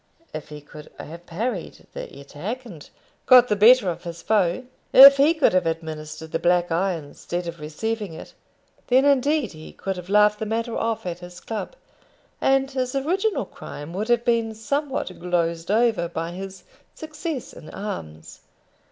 If he could have parried the attack, and got the better of his foe; if he could have administered the black eye instead of receiving it, then indeed he could have laughed the matter off at his club, and his original crime would have been somewhat glozed over by his success in arms.